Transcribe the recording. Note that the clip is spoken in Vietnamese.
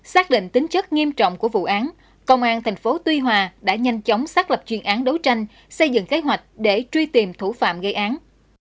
xác định tính chất nghiêm trọng của vụ án công an tp tuy hòa đã nhanh chóng xác lập chuyên án đấu tranh xây dựng kế hoạch để truy tìm thủ phạm gây án